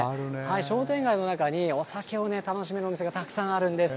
商店街の中にお酒を楽しめるお店がたくさんあるんです。